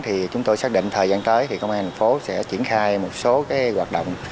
thì chúng tôi xác định thời gian tới thì công an thành phố sẽ triển khai một số hoạt động